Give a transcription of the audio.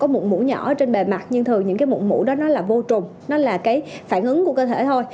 mụn mũ đó là vô trùng nó là cái phản ứng của cơ thể thôi